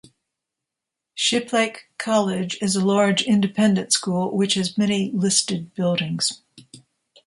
Shiplake College is a large independent school which has many listed buildings.